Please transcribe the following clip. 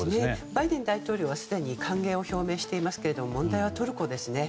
バイデン大統領はすでに歓迎を表明していますが問題はトルコですね。